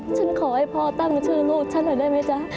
ฉันขอให้พ่อตั้งชื่อลูกฉันหน่อยได้ไหมจ๊ะ